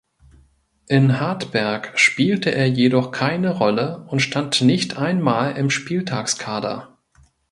In Hartberg spielte er jedoch keine Rolle und stand nicht ein Mal im Spieltagskader.